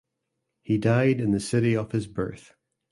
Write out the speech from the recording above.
He died in the city of his birth.